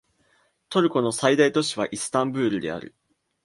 トルコの最大都市はイスタンブールである